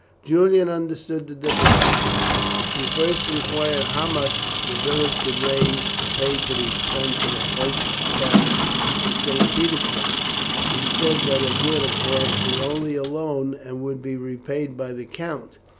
Julian understood the difficulty. He first inquired how much the village could raise to pay for the expenses of a post carriage to St. Petersburg. He said that it would, of course, be only a loan, and would be repaid by the count.